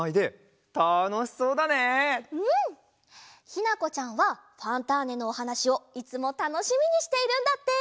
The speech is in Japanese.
ひなこちゃんは「ファンターネ！」のおはなしをいつもたのしみにしているんだって！